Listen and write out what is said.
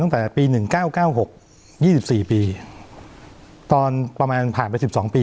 ตั้งแต่ปีหนึ่งเก้าเก้าหกยี่สิบสี่ปีตอนประมาณผ่านไปสิบสองปี